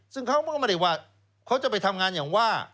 ซึ่งเขาก็ไม่ได้ว่าเขาจะไปทำงานอย่างว่า